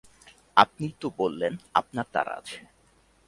আপনিই তো বললেন আপনার তাড়া আছে।